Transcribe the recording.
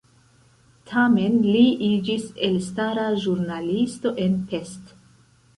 Tamen li iĝis elstara ĵurnalisto en Pest.